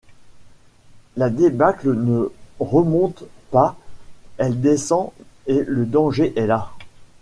La débâcle ne remonte pas, elle descend, et le danger est là!